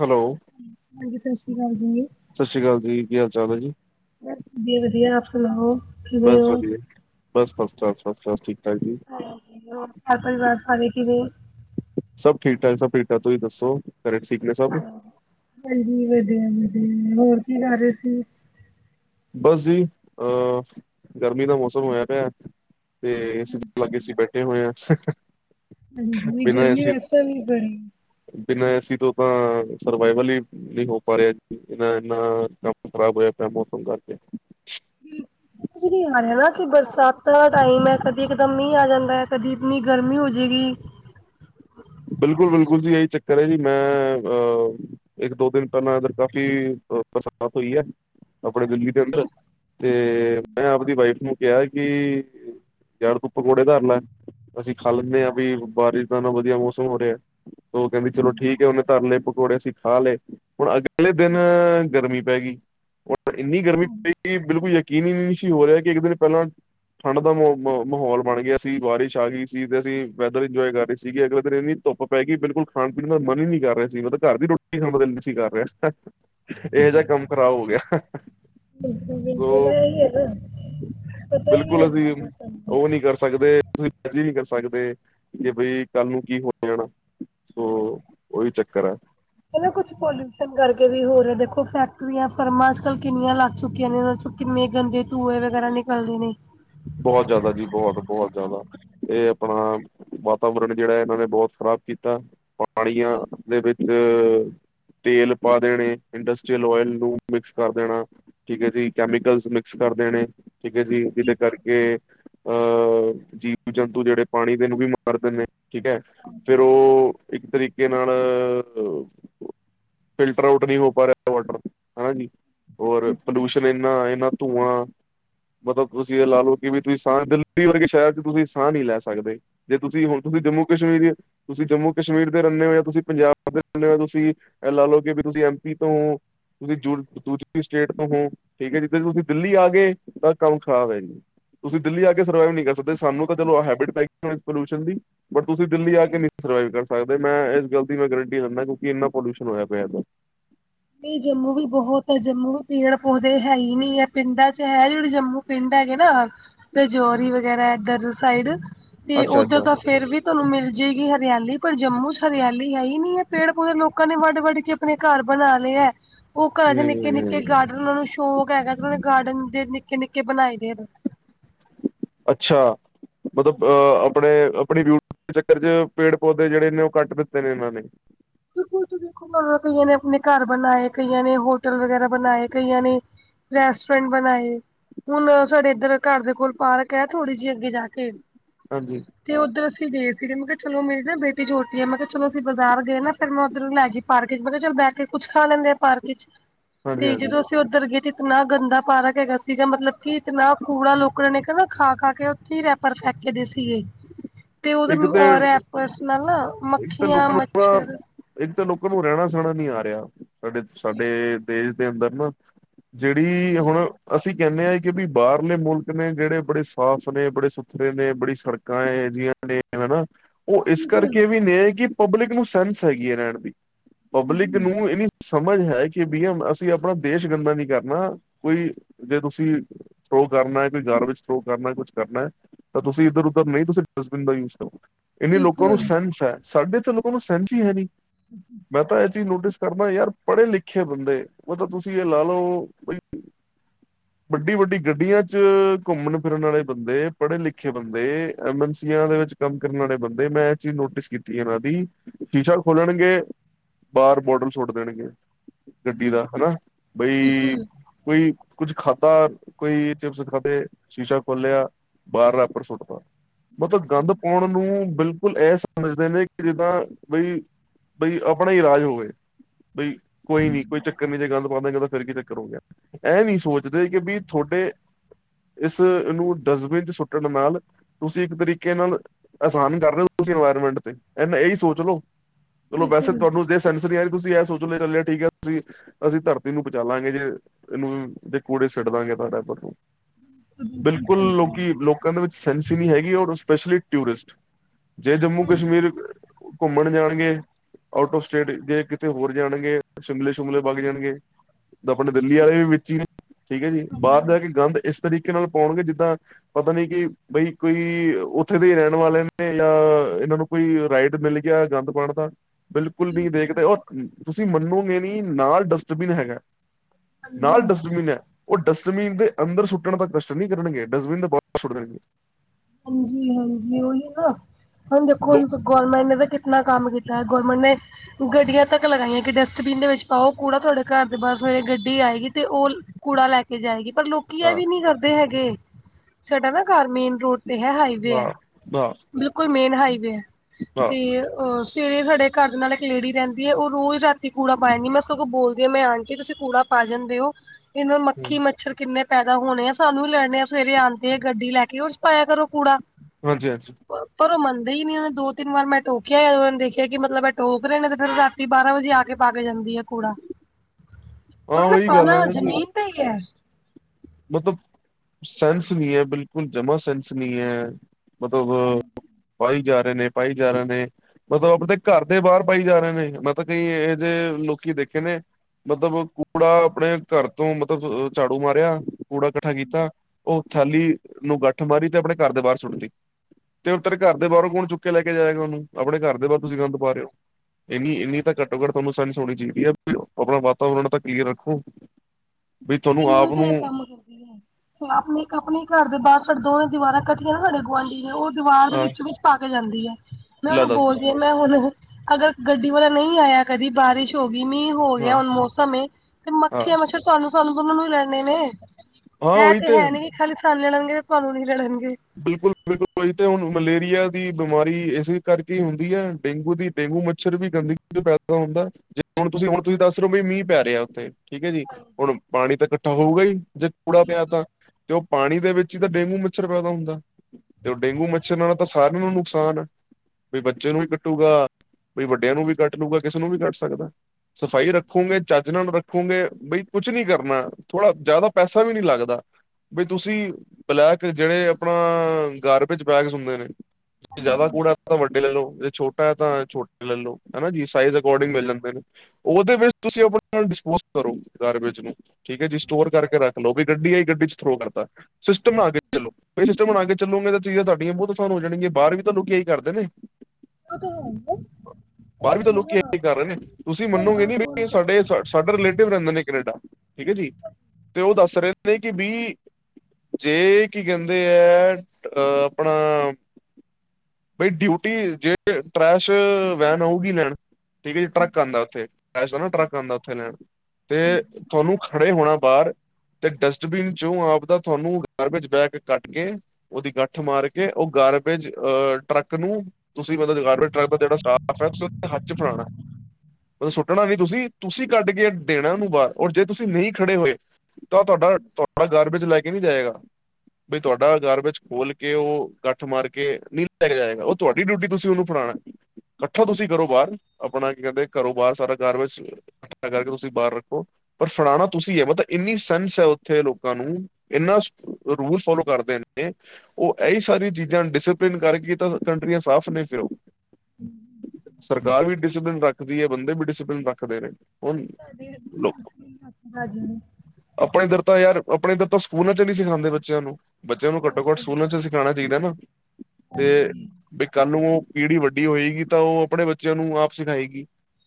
Hello. ਹਾਂਜੀ, ਸਾਸਰੀ ਆਕਾਲ ਜੀ। ਸਾਸਰੀ ਅਕਾਲ ਜੀ। ਕੀ ਹਾਲ-ਚਾਲ ਐ ਜੀ? ਬਸ ਵਧੀਆ-ਵਧੀਆ ਆਪ ਸੁਣਾਓ? ਕਿਵੇਂ ਬਸ ਹੋ ਵਧੀਆ ਬਸ ਫਸਟ ਕਲਾਸ, ਫਸਟ ਕਲਾਸ ਠੀਕ ਠਾਕ ਜੀ। ਬਸ ਜੀ ਹੋਰ ਘਰ ਪਰਿਵਾਰ ਸਾਰੇ ਕਿਵੇਂ? ਸਭ ਠੀਕ ਠਾਕ, ਸਭ ਠੀਕ ਠਾਕ ਤੁਸੀਂ ਦੱਸੋ ਘਰੇ ਠੀਕ ਨੇ ਸਭ? ਹਾਂਜੀ ਵਧੀਆ-ਵਧੀਆ ਹੋਰ ਕੀ ਕਰ ਰੇ ਸੀ? ਬਸ ਜੀ ਅ ਗਰਮੀ ਦਾ ਮੌਸਮ ਹੋਇਆ ਪਿਆ ਤੇ ਅਸੀਂ ਏ ਸੀ ਲਾ ਕੇ ਅਸੀਂ ਬੈਠੇ ਹੋਏ ਆ। ਹਾਂਜੀ ਬਿਨਾਂ ਗਰਮੀ ਏਸੀ ਵੈਸੇ ਵੀ ਬੜੀ ਬਿਨਾਂ ਏ ਸੀ ਤੋਂ ਤਾਂ ਸਰਵਾਈਵਲ ਈ ਨੀ ਹੋ ਪਾ ਰੇਆ ਬਿਨਾਂ ਏਨਾਂ ਕੰਮ ਖ਼ਰਾਬ ਹੋਇਆ ਪਿਆ ਮੌਸਮ ਕਰਕੇ। ਹੂੰ ਕੁਸ ਕੁਝ ਨੀ ਆ ਰੇਆ ਕੀ ਬਰਸਾਤਾਂ ਦਾ ਟਾਈਮ ਐ ਕਦੀ ਇਕਦਮ ਮੀਂਹ ਆ ਜਾਂਦਾ ਐ, ਕਦੀ ਇੰਨੀ ਗਰਮੀ ਹੋਜੇਗੀ। ਬਿਲਕੁੱਲ-ਬਿਲਕੁੱਲ ਜੀ ਏਈ ਚੱਕਰ ਐ ਜੀ ਮੈਂ ਅ ਇੱਕ-ਦੋ ਦਿਨ ਪੈਲਾਂ ਇਧਰ ਕਾਫ਼ੀ ਬਰਸਾਤ ਹੋਈ ਐ, ਆਪਣੇ ਦਿੱਲੀ ਦੇ ਅੰਦਰ ਤੇ ਮੈਂ ਆਬਦੀ ਵਾਈਫ ਨੂੰ ਕੇਆ ਕਿ ਯਾਰ ਤੂੰ ਪਕੌੜੇ ਧਰ ਲੈ ਅਸੀਂ ਖਾ ਲੈਂਨੇ ਆ ਵੀ ਬਾਰਿਸ਼ ਦਾ ਨਾ ਵਧੀਆ ਮੌਸਮ ਹੋ ਰੇਆ। ਓ ਕੈਂਦੀ ਚਲੋ ਠੀਕ ਹਾਂਜੀ, ਏ ਉਨੇ ਧਰ ਲੇ ਪਕੌੜੇ ਅਸੀਂ ਖਾ ਲੇ। ਹੁਣ ਅਗਲੇ ਦਿਨ ਗਰਮੀ ਪੈ ਗੀ। ਹੁਣ ਇੰਨੀ ਗਰਮੀ ਪਈ ਬਿਲਕੁੱਲ ਯਕੀਨ ਈ ਨੀ-ਨੀ ਸੀ ਹੋ ਰੇਆ ਕਿ ਇੱਕ ਦਿਨ ਪੈਲਾਂ ਠੰਡ ਦਾ ਮ ਮਾਹੌਲ ਬਣ ਗਿਆ ਸੀ, ਬਾਰਿਸ਼ ਆਗੀ ਸੀ ਤੇ ਅਸੀਂ ਵੈਦਰ ਇੰਜੋਏ ਕਰ ਰੇ ਸੀਗੇ ਅਗਲੇ ਫੇਰ ਐਨੀ ਧੁੱਪ ਪੈਗੀ ਬਿਲਕੁੱਲ ਖਾਣ ਪੀਣ ਦਾ ਮਨ ਈ ਨੀ ਕਰ ਰੇਆ ਸੀ ਮਤਲਬ ਘਰ ਦੀ ਰੋਟੀ ਖਾਣ ਦਾ ਦਿਲ ਨੀ ਸੀ ਕਰ ਰੇਆ। ਏ ਜਾ ਕੰਮ ਖ਼ਰਾਬ ਹੋ ਗਿਆ। ਬਿਲਕੁੱਲ-ਬਿਲਕੁੱਲ ਏ ਈ ਐ ਨਾ। ਪਤਾ ਹੀ ਨਹੀਂ ਬਿਲਕੁੱਲ ਲੱਗਦਾ ਅਸੀਂ ਮੌਸਮ ਦਾ ਓ ਨੀ ਕਰ ਸਕਦੇ ਅਸੀਂ ਨੀ ਕਰ ਸਕਦੇ ਕੇ ਬਈ ਕਾਲੂ ਕੀ ਹੋ ਜਾਣਾ ਹੋ ਉਈ ਚੱਕਰ ਐ। ਪੈਲਾਂ ਕੁਛ ਪੋਲਿਊਸ਼ਨ ਕਰਕੇ ਵੀ ਹੋ ਰੇ ਦੇਖੋ ਫੈਕਟਰੀਆਂ, ਫਰਮਾਂ ਅੱਜ-ਕੱਲ ਕਿੰਨੀਆਂ ਲਗ ਚੁੱਕੀਆਂ ਨੇ ਉਨਾਂ ਚ ਕਿੰਨੇ ਗੰਦੇ ਧੂੰਏ ਵਗੈਰਾ ਨਿਕਲਦੇ ਨੇ। ਬੋਹ ਜਿਆਦਾ ਜੀ ਬੋਤ ਬੋ ਜਿਆਦਾ ਤੇ ਆਪਣਾ ਵਾਤਾਵਰਨ ਜੇੜਾ ਇਨਾਂ ਨੇ ਬਹੁਤ ਖ਼ਰਾਬ ਕੀਤਾ ਪਾਣੀਆਂ ਦੇ ਵਿੱਚ ਤੇਲ ਪਾ ਦੇਣੇ, ਇੰਡਸਟਰੀਅਲ ਓਇਲ ਨੂੰ ਮਿਕਸ ਕਰ ਦੇਣਾ। ਠੀਕ ਏ ਜੀ ਕੈਮੀਕਲਸ ਮਿਕਸ ਕਰ ਦੇਣੇ ਠੀਕ ਐ ਜੀ ਜਿਦੇ ਕਰਕੇ ਅ ਜੀਵ ਜੰਤੂ ਜੇੜੇ ਪਾਣੀ ਦੇ ਨੂੰ ਵੀ ਮਾਰ‌ ਦੇ ਨੇ ਠੀਕ ਐ। ਫਿਰ ਓ ਇਕ ਤਰੀਕੇ ਨਾਲ ਫਿਲਟਰ ਆਊਟ ਨੀ ਹੋ ਪਾ ਰੇਆ ਵਾਟਰ ਹਨਾ ਜੀ। ਹੋਰ ਪੋਲਊਸ਼ਨ ਇੰਨਾ, ਇੰਨਾ ਧੂੰਆਂ ਮਤਲਬ ਤੁਸੀਂ ਏ ਲਾ ਲੋ ਕਿ ਵੀ ਤੁਸੀਂ ਸਾਂ ਦਿੱਲੀ ਵਰਗੇ ਸ਼ਹਿਰ 'ਚ ਤੁਸੀਂ ਸਾਂ ਨੀ ਲੈ ਸਕਦੇ ਜੇ ਤੁਸੀਂ ਹੁਣ ਤੁਸੀਂ ਜੰਮੂ ਕਸ਼ਮੀਰ ਤੁਸੀਂ ਜੰਮੂ ਕਸ਼ਮੀਰ ਦੇ ਰੈਂਨੇ ਵੇ ਓ, ਤੁਸੀਂ ਪੰਜਾਬ ਦੇ ਰੈਂਨੇ ਵੇ ਤੁਸੀਂ ਐ ਲਾ ਲੋ ਕਿ ਵੀ ਤੁਸੀਂ ਐਮ ਪੀ ਤੋਂ ਤੁਸੀਂ ਜੂ ਦੂਜੀ ਸਟੇਟ ਤੋਂ ਹੋ ਠੀਕ ਐ ਜਿੱਦਾਂ ਤੁਸੀਂ ਦਿੱਲੀ ਆ ਗੇ ਤਾਂ ਕੰਮ ਖ਼ਰਾਬ ਐ ਜੀ। ਤੁਸੀਂ ਦਿੱਲੀ ਆ ਕੇ ਸਰਵਾਈਵ ਨੀ ਕਰ ਸਕਦੇ ਸਾਨੂੰ ਤਾਂ ਚਲੋ ਹੈਬਿਟ ਪੈਗੀ ਪੋਲਿਸ਼ਨ ਦੀ ਬਟ ਤੁਸੀਂ ਦਿੱਲੀ ਆ ਕੇ ਨੀ ਸਰਵਾਈਵ ਕਰ ਸਕਦੇ ਮੈਂ ਇਸ ਗੱਲ ਦੀ ਮੈਂ ਗਰੰਟੀ ਦਿੰਨਾ ਕਿਉੰਕਿ ਇੰਨਾ ਪੋਲਿਊਸ਼ਨ ਹੋਇਆ ਪਿਆ ਏਧਰ। ਤੇ ਜੰਮੂ ਵੀ ਬਹੁਤ ਐ ਜੰਮੂ ਨੂੰ ਪੀੜ ਪੌਦੇ ਹੈ ਈ ਨੀ ਐ। ਪਿੰਡਾਂ ਚ ਹੈ ਜੇੜੇ ਜੰਮੂ ਪਿੰਡ ਹੈਗੇ ਨਾ ਰਜੋਰੀ ਵਗੈਰਾ ਐਧਰ ਸਾਈਡ ਤੇ ਉੱਧਰ ਅੱਛਾ-ਅੱਛਾ, ਤਾਂ ਫਿਰ ਵੀ ਤੁਹਾਨੂੰ ਮਿਲ ਜਾਏਗੀ ਹਰਿਆਲੀ, ਪਰ ਜੰਮੂ 'ਚ ਹਰਿਆਲੀ ਹੈ ਹੀ ਨੀ ਐ, ਪੇੜ ਪੌਦੇੇ ਲੋਕਾਂ ਨੇ ਵੱਢ- ਵੱਢ ਕੇ ਆਪਣੇ ਘਰ ਬਣਾ ਲਏ ਹੈ, ਉਹ ਘਰਾਂ 'ਚ ਨਿੱਕੇ- ਨਿੱਕੇ ਹੂੰ, ਗਾਰਡਨ ਉਹਨਾਂ ਨੂੰ ਸ਼ੌਕ ਹੈਗਾ, ਉਹਨਾਂ ਨੇ ਗਾਰਡਨ ਦੇ ਨਿੱਕੇ ਨਿੱਕੇ ਬਣਾਏ ਨੇ ਅੱਛਾ, ਮਤਲਬ ਅਹ ਆਪਣੇ, ਆਪਣੀ ਡਿਊਟੀ ਦੇ ਚੱਕਰ 'ਚ ਪੇੜ ਪੌਦੇ ਜੇੜੇ ਨੇ ਉਹ ਕੱਟ ਦਿੱਤੇ ਨੇ ਇਹਨਾਂ ਨੇ ਦੇਖੋ- ਦੇਖੋ ਕਈਆਂ ਨੇ ਆਪਣੇ ਘਰ ਬਣਾਏ, ਕਈਆਂ ਨੇ ਹੋਟਲ ਵਗੈਰਾ ਬਣਾਏ, ਕਈਆਂ ਨੇ ਰੈਸਟੋਰੈਂਟ ਬਣਾਏ ਹੁਣ ਸਾਡੇ ਇੱਧਰ ਘਰ ਦੇ ਕੋਲ ਪਾਰਕ ਹੈ, ਥੋੜ੍ਹੀ ਜਿਹੀ ਅੱਗੇ ਜਾ ਕੇ ਹਾਂਜੀ ਤੇ ਉੱਧਰ ਅਸੀਂ ਗਏ ਸੀਗੇ, ਮੈਂ ਕਿਹਾ ਚਲੋ ਮੇਰੀ ਨਾ ਬੇਟੀ ਛੋਟੀ ਹੈ, ਮੈਂ ਕਿਹਾ ਚਲੋ ਅਸੀਂ ਬਾਜ਼ਾਰ ਗਏ ਨਾ ਫੇਰ ਮੈਂ ਉੱਧਰ ਨੂੰ ਲੈ ਗਈ ਪਾਰਕ 'ਚ, ਮੈਂ ਕਿਹਾ ਚਲ ਬਹਿ ਕੇ ਕੁੱਛ ਖਾ ਲੈਂਦੇ ਆ ਪਾਰਕ 'ਚ, ਤੇ ਹਾਂਜੀ-ਹਾਂਜੀ ਜਦੋਂ ਤੇ ਉੱਧਰ ਗਏ, ਤੇ ਇਤਨਾ ਗੰਦਾ ਪਾਰਕ ਹੈਗਾ ਸੀਗਾ ਮਤਲਬ ਕਿ ਇਤਨਾ ਕੂੜਾ ਲੋਕਾਂ ਨੇ ਨਾ ਖਾ ਖਾ ਕੇ ਉੱਥੇ ਹੀ ਰਹਿ ਉੱਪਰ, ਫੈਕੇ ਦੇ ਸੀਗੇ ਤੇ ਉਹਦੇ, ਇੱਕ ਤੇ ਰੈਪਰਸ ਨਾਲ ਨਾ ਮੱਖੀਆਂ ਮੱਛਰ ਇਕ ਤਾਂ ਲੋਕਾਂ ਨੂੰ ਰਹਿਣਾ ਸਹਿਣਾ ਨੀ ਆ ਰਿਹਾ, ਸਾਡੇ, ਸਾਡੇ ਦੇਸ਼ ਦੇ ਅੰਦਰ ਨਾ ਜੇੜੀ ਹੁਣ, ਅਸੀਂ ਕਹਿੰਦੇ ਆਂ, ਕਿ ਵੀ ਬਾਹਰਲੇ ਮੁਲਕ ਨੇ ਜਿਹੜੇ ਬੜੇ ਸਾਫ ਨੇ, ਬੜੇ ਸੁਥਰੇ ਨੇ, ਬੜੀ ਸੜਕਾਂ ਇਹੋ ਜਿਹੀਆਂ ਡੇ ਹਨਾ, ਉਹ ਇਸ ਬਿਲਕੁਲ ਕਰਕੇ ਵੀ ਨੇ ਕਿ ਪਬਲਿਕ ਨੂੰ ਸੈਂਸ ਹੈਗੀ‌ ਏ ਰਹਿਣ ਦੀ ਪਬਲਿਕ ਨੂੰ ਇਹਨੀ ਸਮਝ ਹੈ ਕਿ ਬਈ ਅਸੀਂ ਆਪਣਾ ਦੇਸ਼ ਗੰਦਾ ਨੀ ਕਰਨਾ, ਕੋਈ ਜੇ ਤੁਸੀਂ ਥਰੋ ਕਰਨਾ, ਕੋਈ ਗਰ ਵਿੱਚ ਥਰੋ ਕਰਨਾ, ਕੁਛ ਕਰਨਾ, ਤਾਂ ਤੁਸੀਂ ਇੱਧਰ-ਉਧਰ ਨਹੀਂ ਤੁਸੀਂ ਡਸਟਬਿਨ ਦਾ ਯੂਜ ਕਰੋ, ਇੰਨੇ ਲੋਕਾਂ ਨੂੰ ਬਿਲਕੁਲ ਸੈਂਸ ਐ, ਸਾਡੇ ਇੱਥੇ ਲੋਕਾਂ ਨੂੰ ਸੈਂਸ ਹੀ ਐ ਨਹੀਂ। [inaudible] ਮੈਂ ਤਾਂ ਐਹ ਚੀਜ਼ ਨੋਟਿਸ ਕਰਦਾ ਯਾਰ ਪੜ੍ਹੇ-ਲਿਖੇ ਬੰਦੇ ਓ ਤਾਂ ਤੁਸੀਂ ਇਹ ਲਾ ਲਓ, ਬਈ [inaudible] ਵੱਡੀ-ਵੱਡੀ ਗੱਡੀਆਂ 'ਚ, ਘੁੰਮਣ-ਫਿਰਨ ਵਾਲੇ ਬੰਦੇ, ਪੜ੍ਹੇ ਲਿਖੇ ਬੰਦੇ, ਐਮ ਐਨ ਸ ਇਹਨਾ ਦੇ ਵਿੱਚ ਕੰਮ ਕਰਨ ਵਾਲੇ ਬੰਦੇ, ਮੈਂ ਐਹ ਚੀਜ਼ ਨੋਟਿਸ ਕੀਤੀ ਇਹਨਾਂ ਦੀ, ਸ਼ੀਸ਼ਾ ਖੋਲਣਗੇ। ਬਾਹਰ ਬੋਟਲ ਸੁੱਟ ਦੇਣਗੇ, ਗੱਡੀ ਦਾ, ਹਨਾ ਬਈ ਕੋਈ ਕੁਛ ਖਾਧਾ, ਕੋਈ ਚਿਪਸ ਖਾਧੇ, ਸ਼ੀਸ਼ਾ ਖੋਲਿਆ ਬਾਹਰਲਾ ਰੈਪਰ ਸੁੱਟਤਾ। ਮਤਲਬ ਗੰਦ ਪਾਉਣ ਨੂੰ, ਬਿਲਕੁਲ ਐਹ ਸਮਝਦੇ ਨੇ ਕਿ ਜਿੱਦਾਂ ਬਈ ਬਈ ਆਪਣਾ ਹੀ ਈ ਰਾਜ ਹੋਵੇ, ਬਈ, ਕੋਈ ਨੀ ਕੋਈ ਚੱਕਰ ਨੀ, ਜੇ ਗੰਧ ਉਹ ਕਹਿੰਦਾ ਫੇਰ ਕੀ ਚੱਕਰ ਹੋ ਗਿਆ, ਐਹ ਨੀ ਸੋਚਦੇ ਕਿ ਵੀ ਤੁਹਾਡੇ ਇਸ, ਨੂੰ ਡਸਟਬਿਨ 'ਚ ਸੁੱਟਣ ਨਾਲ, ਤੁਸੀਂ ਇਕ ਤਰੀਕੇ ਨਾਲ, ਅਹਿਸਾਨ ਕਰ ਰਹੇ ਹੋ ਤੁਸੀਂ ਇਨਵਾਇਰਮੈਂਟ ਤੇ, ਇਹਨਾ, ਇਹੀ ਸੋਚ ਲਓ। ਚਲੋ ਵੈਸੇ ਬਿਲਕੁਲ ਤੁਹਾਨੂੰ ਜੇ ਸੈਂਸ ਨੀ ਆਈ, ਤੁਸੀਂ ਇਹ ਸੋਚ ਲਿਆ ਚੱਲਿਆ ਠੀਕ ਐ ਤੁਸੀਂ ਅਸੀਂ ਧਰਤੀ ਨੂੰ ਬਚਾਲਾਂਗੇ ਜੇ, ਇਹਨੂੰ ਜੇ ਕੂੜੇ ਛੱਡ ਦਾਂਗੇ ਤਾਂ ਡੈਪਰ ਨੂੰ। ਬਿਲਕੁਲ ਸਹੀ ਕਹਿ ਰਹੇ ਲੋਕੀ, ਲੋਕਾਂ ਦੇ ਵਿੱਚ ਸੈਂਸ ਹੀ ਨੀ ਹੈਗੀ ਓ ਤਾਂ ਸਪੈਸ਼ਲੀ ਟੂਰਿਸਟ, ਜੇ ਹੋ। ਜੰਮੂ-ਕਸ਼ਮੀਰ ਘੁੰਮਣ ਜਾਣਗੇ ਆਊਟ ਆਫ ਸਟੇਟ, ਜੇ ਕਿਤੇ ਹੋਰ ਜਾਣਗੇ, ਸ਼ਿਮਲੇ-ਸੂਮਲੇ ਵਗ ਜਾਣਗੇ ਤੇ ਆਪਣੇ ਦਿੱਲੀ ਵਾਲੇ ਵੀ ਵਿੱਚ ਹੀ ਨੇ, ਠੀਕ ਐ ਜੀ ਬਾਹਰ ਜਾ ਕੇ ਗੰਧ ਇਸ ਇਸ ਤਰੀਕੇ ਨਾਲ ਪਾਉਣਗੇ ਜਿੱਦਾਂ, ਪਤਾ ਨੀ ਕਿ ਬਈ ਕੋਈ ਉੱਥੇ ਦੇ ਹੀ ਰਹਿਣ ਵਾਲੇ ਨੇ, ਜਾਂ ਇਹਨਾਂ ਨੂੰ ਕੋਈ ਰਾਈਟ ਮਿਲ ਗਿਆ, ਗੰਦ ਪਾਣ ਦਾ ਬਿਲਕੁਲ ਨੀ ਦੇਖਦੇ ਔ ਤੁਸੀਂ ਮੰਨੋਗੇ ਨੀ ਨਾਲ ਡਸਟਬਿਨ ਹੈਗਾ। ਨਾਲ ਡਸਟਬਿਨ ਐ। ਓ ਡਸਟਬਿਨ ਦੇ ਅੰਦਰ ਸੁੱਟਣ ਦਾ ਕਸ਼ਟ ਨੀ ਕਰਨਗੇ ਡਸਟਬਿਨ ਦੇ ਬਾਰ ਸੁੱਟ ਦੇਣਗੇ। ਹਾਂਜੀ-ਹਾਂਜੀ ਓਹੀ ਨਾ, ਹੁਣ ਦੇਖੋ ਹੁਣ ਲੋਕ ਗੌਰਮੈਂਟ ਨੇ ਤਾਂ ਕਿਤਨਾ ਕੰਮ ਕੀਤੈ ਗੌਰਮੈਂਟ ਨੇ ਗੱਡੀਆਂ ਤੱਕ ਲਗਾਈਆਂ ਕਿ ਡਸਟਬਿਨ ਦੇ ਵਿੱਚ ਪਾਓ ਕੂੜਾ ਤੁਹਾਡੇ ਘਰ ਦੇ ਬਾਰ ਗੱਡੀ ਆਏਗੀ ਤੇ ਓ ਕੂੜਾ ਲੈ ਕੇ ਜਾਏਗੀ ਪਰ ਲੋਕੀ ਐਹ ਹਾਂ ਵੀ ਨੀ ਕਰਦੇ ਹੈਗੇ, ਸਾਡਾ ਨਾ ਘਰ ਮੇਨ ਰੋਡ ਤੇ ਹੈ ਹਾਈਵੇ ਐ, ਹਾਂ ਹਾਂ ਬਿਲਕੁਲ ਮੇਨ ਹਾਈਵੇ ਐ, ਹਾਂ ਤੇ ਅਹ [unintelligible] ਸਾਡੇ ਘਰ ਦੇ ਨਾਲ ਇੱਕ ਲੇਡੀ ਰਹਿੰਦੀ ਐ ਓ ਰੋਜ਼ ਰਾਤੀ ਕੂੜਾ ਪਾ ਜਾਂਦੀ ਆ ਮੈਂ ਸਗੋਂ ਬੋਲਦੀ ਆ ਮੈਂ ਆਟੀ ਕਿ ਤੁਸੀਂ ਕੂੜਾ ਪਾ ਜਾਂਦੇ ਓ ਏਦੇ ਨਾਲ ਮੱਖੀ ਮ ਮੱਛਰ ਕਿੰਨੇ ਪੈਦਾ ਹੋਣੇ ਆ ਸਾਨੂੰ ਈ ਲੜਣੇ ਆ ਸਵੇਰੇ ਆਦੇ ਆ ਗੱਡੀ ਲੈ ਕੇ ਓ ਚ ਪਾਇਆ ਕਰੋ ਕੂੜਾ। ਹਾਂਜੀ-ਹਾਂਜੀ। ਪਰ ਓ ਮੰਨਦੇ ਈ ਨੀ ਓਨੇ ਦੋ-ਤਿੰਨ ਵਾਰ ਮੈਂ ਟੋਕਿਆ ਓਨੇ ਦੇਖਿਆ ਕਿ ਮਤਲਬ ਐਹ ਟੋਕ ਰੇ ਨੇ ਤੇ ਫੇਰ ਰਾ ਤੀ ਬਾਰਾਂ ਵਜੇ ਆ ਕੇ ਪਾ ਕੇ ਜਾਂਦੀ ਐ ਕੂੜਾ, ਹਾਂ ਪਰ ਓਨੇ ਉਹੀ ਗੱਲ ਪਾਣਾ ਹੈ ਜ਼ਮੀਨ ਤੇ ਈ ਐ। ਮਤਲਬ, ਸੈਂਸ ਨੀ ਐ ਬਿਲਕੁਲ ਜਮਾਂ ਸੈਂਸ ਨੀ ਐ। ਮਤਲਬ, ਪਾਈ ਜਾ ਰੇ ਨੇ ਪਾਈ ਜਾ ਰੇ ਨੇ। ਮਤਲਬ ਆਪਦੇ ਘਰ ਦੇ ਬਾਰ ਪਾਈ ਜਾ ਰੇ ਨੇ ਮੈਂ ਤਾਂ ਕਈ ਏਹੇ ਜੇ ਲੋਕੀ ਦੇਖੇ ਨੇ। ਮਤਲਬ ਕੂੜਾ ਆਪਣੇ ਘਰ ਤੋਂ ਮਤਲਬ ਅ ਝਾੜੂ ਮਾਰਿਆ। ਕੂੜਾ ਕੱਠਾ ਕੀਤਾ, ਓ ਥੈਲੀ ਨੂੰ ਗੱਠ ਮਾਰੀ ਤੇ ਆਪਣੇ ਘਰ ਦੇ ਬਾਰ ਸੁੱਟਤੀ। ਤੇ ਤਓਦਰ ਘਰ ਦੇ ਬਾਰੋ ਕੌਣ ਚੁੱਕ ਕੇ ਲੈ ਕੇ ਜਾਏਗਾ ਓਨੂੰ ਆਪਣੇ ਘਰ ਦੇ ਬਾਰ ਤੁਸੀਂ ਗੰਦ ਪਾ ਰੇ ਓ। ਏਨੀ, ਏਨੀ ਤਾਂ ਘੱਟੋ-ਘੱਟ ਥੋਨੂੰ ਸੈਂਸ ਹੋਣੀ ਚਾਈਦੀ ਐ, ਵੀ ਆਪਣਾ ਵਾਤਾਵਰਨ ਤਾਂ ਕਲੀਅਰ ਰੱਖੋ। ਵੀ ਕੀ ਤੁਹਾਨੂੰ ਆਪ ਨੂੰ [unintelligible] ਕੰਮ। ਆਪਣੇ, ਆਪਣੇ ਘਰ ਦੇ ਬਾਰ ਸਾਡੇ ਦੋਵੇ ਦਵਾਰਾ ਕੱਠੀਆਂ ਨਾ ਸਾਡੇ ਗੁਆਂਢੀ ਨੇ ਓ ਦੀਵਾਰ ਦੇ ਹਾਂ ਵਿੱਚ ਵਿੱਚ ਪਾ ਕੇ ਜਾਂਦੀ ਐ ਮੈਂ ਲੈ ਓਨੂੰ ਦੱਸ ਬੋਲ ਦੀ ਆ ਮੈਂ ਹੁਣ, ਅਗਰ ਗੱਡੀ ਵਾਲਾ ਨ‌ਈ ਆਇਆ ਕਦੀ ਬਾਰਿਸ਼ ਹੋਗੀ, ਮੀਂਹ ਹੋ ਗਿਆ ਹਾਂ ਹੁਣ ਮੌਸਮ ਏ, ਤੇ ਹਾਂ ਮੱਖੀਆਂ, ਮੱਛਰ ਤੁਹਾਨੂੰ ਸਾਨੂੰ ਦੋਨਾਂ ਨੂੰ ਈ ਲੜਨੇ ਨੇ। ਹਾਂ ਐਹ ਉਹੀ ਤੇ ਹੈ ਨੀ ਖਾਲੀ ਸਾਨੂੰ ਲੜਨਗੇ ਤੇ ਤੁਹਾਨੂੰ ਨੀ ਲੜਨਗੇ। ਬਿਲਕੁਲ-ਬਿਲਕੁਲ ਓਹੀ ਤੇ ਹੁਣ ਮਲੇਰੀਆ ਦੀ ਬਮਾਰੀ ਏਸੇ ਕਰਕੇ ਈ ਹੁੰਦੀ ਐ ਡੇਂਗੂ ਦੀ। ਡੇਂਗੂ ਮੱਛਰ ਵੀ ਗੰਦਗੀ ਤੋਂ ਪੈਦਾ ਹੁੰਦਾ, ਜੇ ਹੁਣ ਤੁਸੀਂ ਹੁਣ ਤੁਸੀਂ ਦੱਸ ਰੇ ਓ ਵੀ ਮੀਂਹ ਪੈ ਰਿਆ ਉੱਥੇ ਠੀਕ ਐ ਜੀ, ਹੁਣ ਪਾਣੀ ਤਾਂ ਕੱਠਾ ਹੋਊਗਾ ਈ ਜੇ ਕੂੜਾ ਪਿਆ ਤਾਂ। ਕਿਉਂ ਪਾਣੀ ਦੇ ਵਿੱਚ ਤਾਂ ਡੇਂਗੂ ਮੱਛਰ ਪੈਦਾ ਹੁੰਦਾ‌। ਤੇ ਓ ਡੇਂਗੂ ਮੱਛਰ ਨਾਲ ਤਾਂ ਸਾਰਿਆਂ ਨੂੰ ਨੁਕਸਾਨ ਐ। ਬੀ ਬੱਚੇ ਨੂੰ ਵੀ ਕੱਟੂਗਾ, ਬੀ ਵੱਡਿਆਂ ਨੂੰ ਵੀ ਕੱਟ ਲੂਗਾ ਕਿਸੇ ਨੂੰ ਵੀ ਕੱਟ ਸਕਦਾ। ਸਫ਼ਾਈ ਰੱਖੋਗੇ ਚੱਜ ਨਾਲ ਰੱਖੋਗੇ ਬਈ ਕੁਛ ਨੀ ਕਰਨਾ ਥੋੜਾ ਜਾਦਾ ਪੈਸਾ ਵੀ ਨੀ ਲੱਗਦਾ। ਬੀ ਤੁਸੀਂ, ਬਲੈਕ ਜੇੜੇ ਆਪਣਾ ਗਾਰਬੇਜ ਬੈਗਜ਼ ਹੁੰਦੇ ਨੇ, ਜਾਦਾ ਕੂੜਾ ਤਾਂ ਵੱਡੇ ਲੈ ਲੋ ਜੇ ਛੋਟਾ ਐ ਤਾਂ ਛੋਟੇ ਲੈ ਲੋ ਹਨਾ ਜੀ ਸਾਈਜ਼ ਅਕੋਡਿੰਗ ਮਿਲ ਜਾਂਦੇ ਨੇ ਓਦੇ ਵਿੱਚ ਤੁਸੀਂ ਆਪਣਾ ਡਿਸਪੋਜ ਕਰੋ ਗਾਰਬੇਜ ਨੂੰ। ਠੀਕ ਐ ਜੀ ਸਟੋਰ ਕਰਕੇ ਰੱਖ ਲਓ ਵੀ ਗੱਡੀ ਆਈ ਗੱਡੀ ਚ ਥਰੋ ਕਰਤਾ, ਸਿਸਟਮ ਆ ਗਿਆ ਚਲੋ, ਬੀ ਸਿਸਟਮ ਬਣਾ ਕੇ ਚੱਲੋਗੇ ਤਾਂ ਚੀਜ਼ਾਂ ਤੁਹਾਡੀਆਂ ਬਹੁਤ ਅਸਾਨ ਹੋ ਜਾਣਗੀਆਂ ਬਾਰ ਵੀ ਤਾਂ ਲੋਕ ਐਈ ਕਰਦੇ ਨੇ। [inaudible] ਉਹ ਬਾਰ ਵੀ ਤਾਂ ਕਹਿੰਦੇ ਲੋਕੀ ਨਾ ਐਈ ਕਰ ਰੇ ਨੇ, ਤੁਸੀਂ ਮੰਨੋਗੇ ਪੈਸਾ ਨੀ ਕੌਣ ਵੀ ਕਮਾਏ ਸਾਡੇ ਸਾ ਸਾਡੇ ਰਿਲੇਟਿਵ ਰਹਿੰਦੇ ਨੇ ਕੈਨੇਡਾ, ਠੀਕ ਐ ਜੀ, ਤੇ ਓ ਦਸ ਰੇ ਨੇ ਕਿ ਬੀ ਜੇ ਕੀ ਕਹਿੰਦੇ ਐ, ਅਹ ਆਪਣਾ ਬਈ ਡਿਊਟੀ ਜੇ ਟਰੈਸ਼ ਵੈਨ ਆਊਗੀ ਲੈਣ ਟੀਵੀ ਦੀ ਟਰੱਕ ਆਂਦਾ ਓਥੇ ਐਸਾ ਨਾ ਟਰੱਕ ਆਂਦਾ ਓਥੇ ਲੈਨ। ਤੇ ਥੋਨੂੰ ਖੜੇ ਹੋਨਾ ਬਾਰ ਤੇ ਡਸਟਬੀਨ ਚੋਂ ਆਪਦਾ ਥੁਆਨੂੰ ਗਾਰਬੇਜ ਬੈਗ ਕੱਡ ਕੇ ਓਦੀ ਗੱਠ ਮਾਰ ਕੇ ਓ ਗਾਰਬੇਜ ਅ ਟਰੱਕ ਨੂੰ ਤੁਸੀਂ ਮਤਲਬ ਗਾਰਬੇਜ ਟਰੱਕ ਦਾ ਜੇੜਾ ਸਟਾਫ਼ ਐ ਤੁਸੀ ਓਦੇ ਹੱਥ ਚ ਫੜਾਨਾ। ਸੁੱਟਨਾ ਵੀ ਤੁਸੀਂ, ਤੁਸੀਂ ਕੱਢ ਕੇ ਦੇਨਾ ਓਨੂੰ ਬਾਰ ਔਰ ਜੇ ਤੁਸੀਂ ਨਈਂ ਖੜੇ ਹੋਏ ਤਾਂ ਤੁਆਡਾ-ਤੁਆਡਾ ਗਾਰਬੇਜ ਲੈ ਕੇ ਨੀ ਜਾਏਗਾ। ਬਈ ਤੁਆਡਾ ਗਾਰਬੇਜ ਵਿੱਚ ਖੋਲ ਕੇ ਓ ਗੱਠ ਮਾਰ ਕੇ ਨਈਂ ਲੈ ਕੇ ਜਾਏਗਾ ਓ ਤੁਆਡੀ ਡਿਊਟੀ ਤੁਸੀਂ ਓਨੂੰ ਫੜਾਨਾ। ਇਕੱਠਾ ਤੁਸੀਂ ਕਰੋ ਬਾਰ ਆਪਨਾ ਕੀ ਕੈਂਦੇ ਘਰੋ ਬਾਰ ਸਾਰਾ ਗਾਰਬੇਜ ਇਕੱਠਾ ਕਰਕੇ ਤੁਸੀਂ ਬਾਰ ਰੱਖੋ। ਪਰ ਫੜਾਨਾ ਤੁਸੀਂ ਐ ਮਤਲਬ ਇੰਨੀ ਸੈਂਸ ਐ ਓਥੇ ਦੇ ਲੋਕਾਂ ਨੂੰ ਏਨਾ ਰੂਲ ਫੋਲੋ ਕਰਦੇ ਨੇ। ਓ ਏਈ ਸਾਰੀਆਂ ਚੀਜ਼ਾਂ ਡਿਸਪਲੇਨ ਕਰਕੇ ਤਾਂ ਕੰਟਰੀਆਂ ਸਾਫ਼ ਨੇ ਫਿਰ ਓ। ਸਰਕਾਰ ਵੀ ਡਿਸਪਲੇਨ ਰੱਖਦੀ ਐ ਬੰਦੇ ਵੀ ਡਿਸਪਲੇਨ ਰੱਖਦੇ ਨੇ। ਹੁਨ ਸਾਡੇ ਲੋਕ ਰਾਜੀ ਨੇ ਆਪਨੇ ਇੱਦਰ ਤਾਂ ਯਾਰ ਆਪਨੇ ਇੱਦਰ ਤਾਂ ਸਕੂਲਾਂ ਚ ਨੀ ਸਿਖਾਂਦੇ ਬੱਚੇਆਂ ਨੂੰ ਬੱਚੇਆਂ ਨੂੰ ਘੱਟੋ ਘੱਟ ਬਿਲਕੁਲ, ਸਕੂਲਾਂ ਚ ਸਿਖਾਨਾ ਚਾਈਦਾ ਨਾ, ਤੇ ਹਾਂਜੀ ਬਈ ਕਾਂਲੂੰ ਪੀੜੀ ਵੱਡੀ ਹੋਏਗੀ ਤਾਂ ਓ ਆਪਨੇ ਬੱਚਿਆਂ ਆਪ ਸਿਖਾਏਗੀ,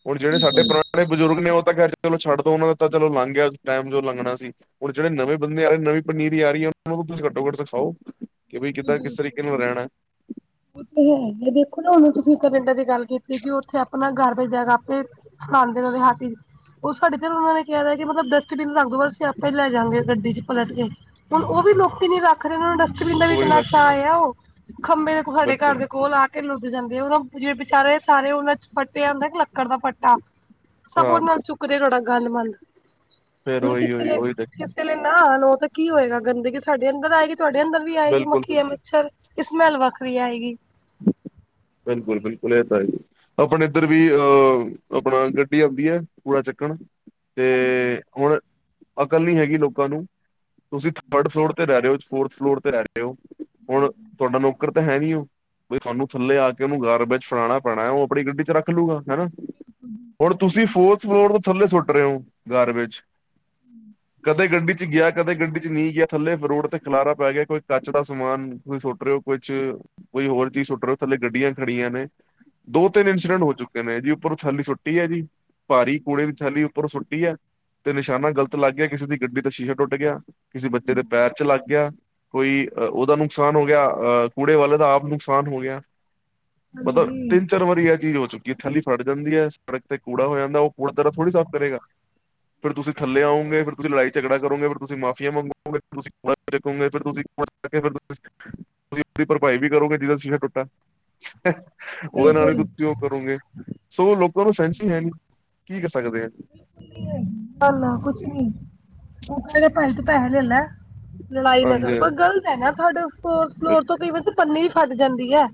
ਹੁਨ ਜੇੜੇ ਸਾਡੇ ਬਿਲਕੁਲ ਪੁਰਾ ਬਜ਼ੁਰਗ ਨੇ ਓ ਤਾਂ ਕੈਂਦੇ ਚਲੋ ਛੱਡ ਦੋ ਓਨਾਂ ਦਾ ਤਾਂ ਚਲੋ ਲੰਘ ਗੇਆ ਟੈਮ ਜੋ ਲੰਘਨਾ ਸੀ। ਹੁਣ ਜੇੜੇ ਨਵੇਂ ਬੰਦੇ ਆ ਰਏ ਨੇ ਨਵੀਂ ਪਨੀਰੀ ਆ ਰਈ ਐ ਓਨਾਂ ਨੂੰ ਤੁਸੀ ਘੱਟੋ ਘੱਟ ਸਖਾਓ। ਕੇ ਬਈ ਕਿੱਦਾਂ ਕਿਸ ਤਰੀਕੇ ਨਾਲ ਰੈਨਾ। [inaudible] ਤੇ ਹੈਗੀ ਐ ਦੇਖੋ ਨਾ ਹੁਨ ਤੁਸੀਂ ਕਨੇਡਾ ਦੀ ਗੱਲ ਕੀਤੀ ਕੇ ਓਥੇ ਆਪਨਾ ਗਾਰਬੇਜ ਹੈਗਾ ਆਪੇ ਖਾਂਦੇ ਨੇ ਓਦੋਂ ਹੱਥ ਵਿਚ ਓ ਸਾਡੇ ਤੇ ਓਨਾ ਨੇ ਕਿਆ ਵਾ ਮਤਲਬ ਡਸਟਬੀਨ ਰੱਖ ਦਿਓ ਬਸ ਅਸੀ ਆਪਾਂ ਈ ਲੈ ਜਾਂਗੇ ਗੱਡੀ ਚ ਪਲਟ ਕੇ। ਹੁਨ ਓ ਵੀ ਲੋਕੀ ਨੀ ਰੱਖਦੇ ਹੁਨ ਦੱਸ ਉਹੀ [unintelligible] ਸਾਡੇ ਘਰ ਬਿਲਕੁਲ ਦੇ ਕੋਲ ਆ ਤੇ ਲੁਕ ਜਾਂਦੇ ਆ ਵਿਚਾਰੇ ਸਾਰੇ ਓਨਾਂ ਚ ਹੁੰਦਾ ਲੱਕੜ ਦਾ ਫੱਟਾ। ਸਬ ਹਾਂ ਓਦੇ ਨਾਲ ਚੁੱਕਦੇ ਐ ਤੁਆਡਾ ਗੰਦ-ਮੰਦ, ਫੇਰ ਹੁਨ ਉਹੀ ਕਿਸੇ ਉਹੀ ਨੇ ਉਹੀ ਕਿਸੇ ਨੇ ਨਾ ਲੋ ਤੇ ਕੀ ਹੋਏਗਾ ਗੰਦਗੀ ਸਾਡੇ ਅੰਦਰ ਆਏਗੀ ਤੁਆਡੇ ਅੰਦਰ ਵੀ ਆਏਗੀ ਬਿਲਕੁਲ ਬਿਲਕੁਲ ਮੱਖੀਆਂ ਮੱਛਰ ਇਸ ਨਾਲ ਵੱਖ ਵੀ ਆਏਗੀ। ਬਿਲਕੁਲ-ਬਿਲਕੁਲ ਏ ਤਾਂ ਹੈ ਜੀ। ਆਪਨੇ ਏਦਰ ਵੀ ਅਹ ਆਪਨਾ ਗੱਡੀ ਔਂਦੀ ਐ ਕੂੜਾ ਚੱਕਨ ਤੇ ਹੁਨ ਅਕਲ ਨੀ ਹੈਗੀ ਲੋਕਾਂ ਨੂੰ ਤੁਸੀਂ ਥਰਡ ਫਲੋਰ ਤੇ ਰੈ ਰਏ ਓ, ਫੋਰਥ ਫਲੋਰ ਤੇ ਰੈ ਰਏ ਓਂ, ਹੁਨ ਤੁਆਡਾ ਨੂੰ ਨੌਕਰ ਤਾਂ ਹੈ ਨੀ ਓ, ਬਈ ਥੁਆਨੂੰ ਥੱਲੇ ਆ ਕੇ ਓਨੂੰ ਗਾਰਬੇਜ ਫੜਾਨਾ ਪੈਨਾ ਓ ਆਪਨੀ ਗੱਡੀ ਚ ਰੱਖ ਲੂਗਾ ਹਨਾ। ਹੁਨ ਤੁਸੀਂ ਫੋਰਥ ਫਲੋਰ ਤੋਂ ਥੱਲੇ ਸੁੱਟ ਰਏ ਓਂ ਗਾਰਬੇਜ। ਕਦੇ ਗੱਡੀ ਚ ਗਿਆ ਕਦੇ ਗੱਡੀ ਚ ਨਈਂ ਗਿਆ ਥੱਲੇ ਰੋਡ ਤੇ ਖਿਲਾਰਾ ਪੈ ਗਿਆ। ਕੋਈ ਕੱਚ ਦਾ ਸਮਾਨ ਤੁਸੀ ਸੁੱਟ ਰਏ ਓਂ ਕੁਛ, ਕੋਈ ਹੋਰ ਚੀਜ਼ ਸੁੱਟ ਰਏ ਓਂ ਥੱਲੇ ਗੱਡੀਆਂ ਖੜੀਆਂ ਨੇ। ਦੋ ਤਿੰਨ ਐਕਸੀਡੈਟ ਹੋ ਚੁੱਕੇ ਨੇ ਜੀ ਉੱਪਰੋ ਥੈਲੀ ਸੁੁੱਟੀ ਐ ਜੀ। ਭਾਰੀ ਕੂੜੇ ਦੀ ਥੈਲੀ ਉੱਪਰੋ ਸੁੱਟੀ ਐ। ਤੇ ਨਿਸਾਨਾ ਗ਼ਲਤ ਲੱਗ ਗਿਆ ਕਿਸੇ ਦੀ ਗੱਡੀ ਦਾ ਸ਼ੀਸ਼ਾ ਟੁੱਟ ਗਿਆ, ਕਿਸੇ ਬੱਚੇ ਦੇ ਪੈਰ ਚ ਲਾਗੇਆ। ਕੋਈ ਓਦਾ ਨੁਕਸਾਨ ਹੋ ਗਿਆ ਅ ਕੂੜੇ ਵਾਲੇ ਦਾ ਆਪ ਨੁਕਸਾਨ ਹੋ ਗਿਆ। ਪਤਾ ਹਾਂਜੀ ਕੀ ਚਾਰ ਵਾਰੀ ਐ ਚੀਜ਼ ਹੋ ਚੁੱਕੀ ਐ ਥੈਲੀ ਫਟ ਜਾਂਦੀ ਐ ਸੜਕ ਤੇ ਕੂੜਾ ਹੋ ਜਾਂਦਾ ਓ ਕੂੜਾ ਤੇਰਾ ਥੋੜੀ ਸਾਫ਼ ਕਰੇਗਾ। [inaudible] ਫੇਰ ਤੁਸੀਂ ਥੱਲੇ ਆਓਂਗੇ, ਫਿਰ ਤੁਸੀਂ ਲੜਾਈ-ਝਗੜਾ ਕਰੋਗੇ, ਫਿਰ ਤੁਸੀਂ ਮਾਫੀਆ ਮੰਗੋਗੇ, ਤੁਸੀਂ ਹੱਥ ਚਕੋਂਗੇ। ਫੇਰ ਤੁਸੀਂ [unintelligible] ਭਰਪਾਈ ਵੀ ਕਰੋਗੇ ਜਿਦਾ ਸ਼ੀਸ਼ਾ ਟੁੱਟਾ। ਓਦੇ ਨਾਲ ਈ ਬਿਲਕੁਲ ਤੁਸੀਂ ਓ ਕਰੋਗੇ ਸੋ ਲੋਕਾਂ ਨੂੰ ਸੈਂਸ ਈ ਹੈਨੀ ਕੀ ਕਰ ਸਕਦੇ ਆ। ਨਾਂ-ਨਾਂ ਕੁਛ ਨੀ ਓਕਾ ਦੇ [unintelligible] ਪੈਹੇ ਲੈਲੈ। ਲੜਾਈ ਨਾ ਕਰ ਹਾਂਜੀ ਪਰ ਗਲਤ ਹੈਨਾ ਤੁਆਡੇ ਫੋਰਥ ਬਿਲ ਫਲੋਰ ਤੋਂ ਕਈ ਵਾਰੀ ਪੰਨੀ ਈ ਫੱਟ ਜਾਂਦੀ ਐ।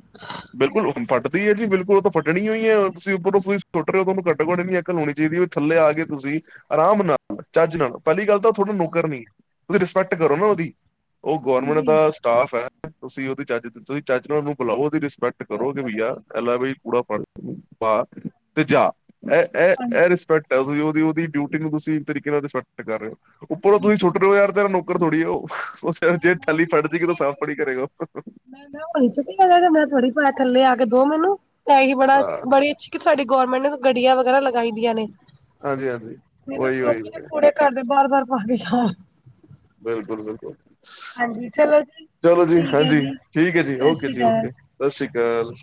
ਬਿਲਕੁਲ ਫੱਟਦੀ ਐ ਜੀ ਬਿਲਕੁਲ ਓ ਤਾਂ ਫੱਟਣੀਓ ਈ ਐ ਤੁਸੀ ਉੱਪਰੋਂ ਤੁਸੀ ਸੁੱਟਰੇ ਓ ਤੁਆਨੂੰ ਘੱਟੋ-ਘੱਟ ਐਨੀ ਅਕਲ ਹੋਣੀ ਚਾਈਦੀ ਏ ਥੱਲੇ ਆ ਕੇ ਤੁਸੀਂ ਆਰਾਮ ਨਾਲ, ਚੱਜ ਨਾਲ ਪੈਲੀ ਗੱਲ ਤਾਂ ਓ ਥੋਡਾ ਨੌਕਰ ਨੀ ਤੁਸੀਂ ਰਿਸਪੈਕਟ ਕਰੋ ਨਾ ਓਦੀ। ਓ ਗੋਰਮੰਟ ਹਾਂਜੀ ਦਾ ਸਟਾਫ ਐ ਤੁਸੀਂ ਓਦੀ ਚੱਜ ਤੁਸੀਂ ਚੱਜਨਾ ਓਨੂੰ ਬੁਲਾਓ ਓਦੀ ਰਿਸ ਪੈਕਟ ਕਰੋਗੇ ਬਿਲਕੁਲ ਭਈਆ ਐ ਬਿਲਕੁਲ, ਲੈ ਬਈ ਕੁੜਾ ਫੜ ਪਾ ਤੇ ਜਾ। ਐ, ਐ ਹਾਂਜੀ ਰਿਸਪੈਕਟ ਐ ਤੁਸੀ ਓਦੀ-ਓਦੀ ਡਿਊਟੀ ਨੂੰ ਤੁਸੀਂ ਤਰੀਕੇ ਨਾਲ ਰਿਸਪੈਕਟ ਕਰ ਰੇ ਓ ਉੱਪਰੋਂ ਤੁਸੀਂ ਸੁੱਟ ਰਏ ਓ ਯਾਰ ਤੇਰਾ ਨੌਕਰ ਥੋੜੀ ਏ ਓ। ਮੈਂ ਜੇ ਨਾ ਉਹ ਥੈਲੀ ਫੱਟ ਚੁੱਕੀ ਜੇਗੀ ਤਾਂ ਸਾਫ਼ ਥੋੜੀ ਕਰੇਗਾ ਓ। ਭਈ ਛੁੱਟੀ ਕਰ ਲੈ ਰੇ ਮੈਂ ਤੁਆਡੀ ਪੈ ਥੱਲੇ ਆ ਕੇ ਦੋ ਮੈਨੂੰ ਐ ਈ ਬੜਾ ਹਾਂ ਬੜੀ ਅੱ ਕਿ ਸਾਡੀ ਗੌਰਮੈਂਟ ਨੇ ਗੱਡੀਆਂ ਵਗੈਰਾ ਲਗਾਈ ਦੀਆਂ ਨੇ ਹਾਂਜੀ ਹਾਂਜੀ ਨੀ ਤੇ ਉਹੀ ਉਹੀ [unintelligible] ਕੁੜੇ ਘਰਦੇ ਬਾਰ-ਬਾਰ ਨਾ ਕੇ ਜਾਨ। ਬਿਲਕੁਲ-ਬਿਲਕੁਲ। ਹਾਂਜੀ ਚਲੋ ਜੀ ਚਲੋ ਜੀ ਠੀਕ ਹੈ ਹਾਂਜੀ, ਜੀ ਠੀਕ ਐ ਜੀ, ਸਤਿ ਓਕੇ ਸ਼੍ਰੀ ਜੀ ਅਕਾਲ ਓਕੇ ਸਾਸੀ ਕਾਲ।